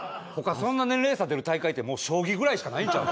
そんな年齢差が出る大会って、もう将棋ぐらいしかないんちゃう？